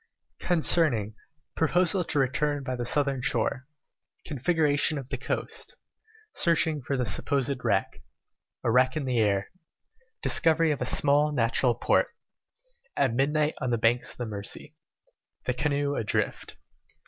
CHAPTER V Proposal to return by the Southern Shore Configuration of the Coast Searching for the supposed Wreck A Wreck in the Air Discovery of a small Natural Port At Midnight on the Banks of the Mercy The Canoe Adrift.